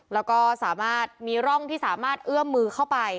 แล้วก็สามารถมีร่องที่สามารถเอื้อมมือเข้าไป